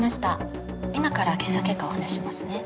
今から検査結果をお話ししますね。